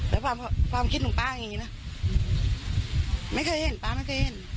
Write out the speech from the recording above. แล้วความความคิดของป้าอย่างนี้นะไม่เคยเห็นป้าไม่เคยเห็น